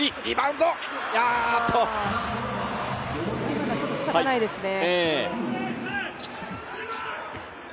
今のはちょっとしかたないですね。